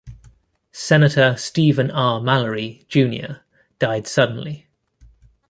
Senator Stephen R. Mallory, Junior died suddenly.